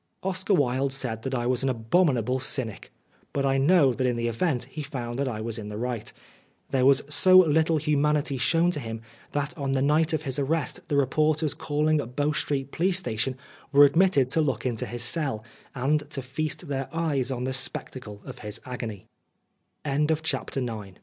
Oscar Wilde said 106 Oscar Wilde that I was an abominable cynic, but I know that in the event he found that I was in the right. There was so little humanity shown to him, that on the night of his arrest the reporters calling at Bow Street police station were admitted to look into his cell and to feast their eye